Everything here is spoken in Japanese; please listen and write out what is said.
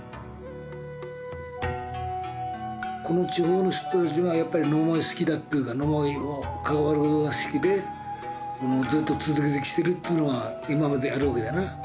この地方の人たちがやっぱり野馬追を好きだというか野馬追を関わることが好きでずっと続けてきてるっていうのが今まであるわけだよな。